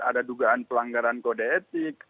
ada dugaan pelanggaran kode etik